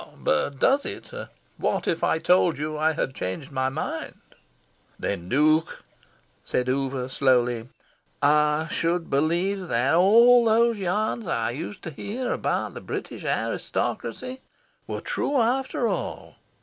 "But does it? What if I told you I had changed my mind?" "Then, Duke," said Oover, slowly, "I should believe that all those yarns I used to hear about the British aristocracy were true, after all.